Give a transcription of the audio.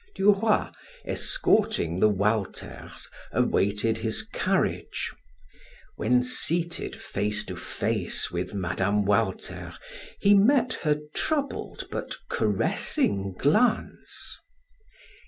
Du Roy, escorting the Walters, awaited his carriage. When seated face to face with Mme. Walter, he met her troubled but caressing glance.